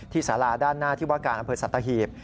ที่สาลาด้านหน้าที่วักกาลอำเภอสัตยาหิบ